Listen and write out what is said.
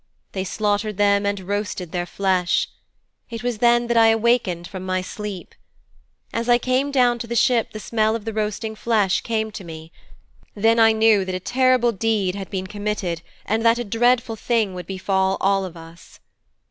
They slaughtered them and roasted their flesh. It was then that I awakened from my sleep. As I came down to the ship the smell of the roasting flesh came to me. Then I knew that a terrible deed had been committed and that a dreadful thing would befall all of us.'